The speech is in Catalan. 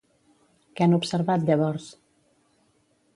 Què han observat llavors?